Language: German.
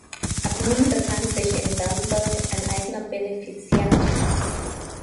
Ab nun befand sich in Wernberg ein eigener Benefiziat.